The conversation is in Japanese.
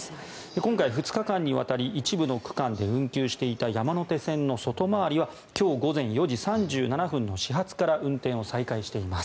今回、２日間にわたり一部の区間で運休していた山手線の外回りは今日午前４時３７分の始発から運転を再開しています。